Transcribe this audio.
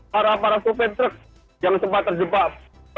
para para sopir truk yang sempat terjebak